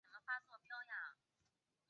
清朝崇德元年以科尔沁部置。